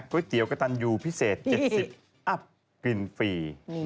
เตี๋ยวกระตันยูพิเศษ๗๐อัพกินฟรี